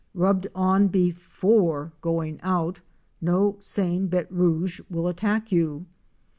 Rubbed on before going out, no sane béte rouge will attack you.